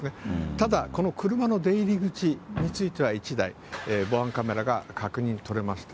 ただ、この車の出入り口については１台、防犯カメラが確認取れました。